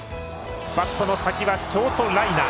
バットの先はショートライナー。